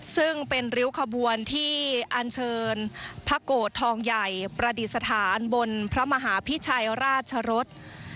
ซึ่งเป็นริ้วขบวนที่อันเชิญพระโกรธทองใหญ่ประดิษฐานบนพระมหาพิชัยราชรส